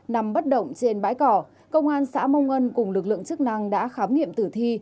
nằm bất động trên bãi cỏ công an xã mong ngân cùng lực lượng chức năng đã khám nghiệm tử thi